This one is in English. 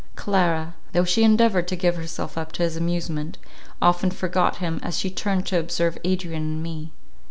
Clara, though she endeavoured to give herself up to his amusement, often forgot him, as she turned to observe Adrian and me.